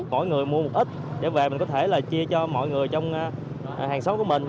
mỗi người mua một ít để về mình có thể là chia cho mọi người trong hàng xóm của mình